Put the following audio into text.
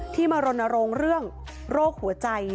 ที่มารณโรงเรื่องโรคหัวใจ